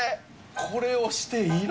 これをしていいの？